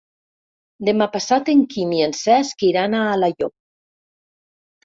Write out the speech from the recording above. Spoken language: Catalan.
Demà passat en Quim i en Cesc iran a Alaior.